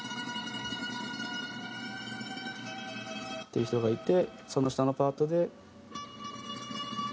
いう人がいてその下のパートで。